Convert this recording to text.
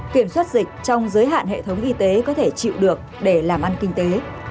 kiểm soát dịch trong giới hạn hệ thống y tế có thể chịu được để làm ăn kinh tế